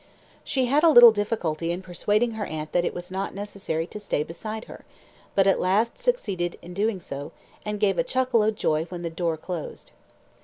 She had a little difficulty in persuading her aunt that it was not necessary to stay beside her, but at last succeeded in doing so, and gave a chuckle of joy when the door closed.